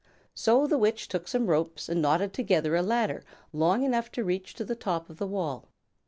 So the Witch took some ropes and knotted together a ladder long enough to reach to the top of the wall.